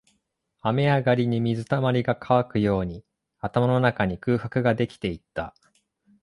雨上がりに水溜りが乾くように、頭の中に空白ができていった